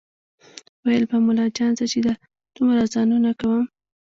ویل به ملا جان زه چې دا دومره اذانونه کوم